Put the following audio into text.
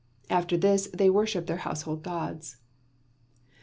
After this, they worship their household gods.